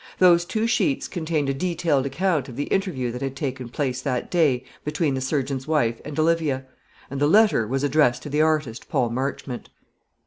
Those two sheets contained a detailed account of the interview that had taken place that day between the surgeon's wife and Olivia; and the letter was addressed to the artist, Paul Marchmont.